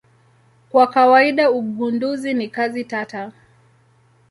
Kwa kawaida ugunduzi ni kazi tata.